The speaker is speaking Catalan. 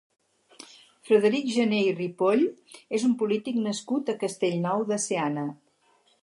Frederic Gené i Ripoll és un polític nascut a Castellnou de Seana.